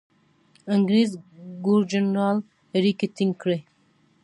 انګرېز ګورنرجنرال اړیکې ټینګ کړي.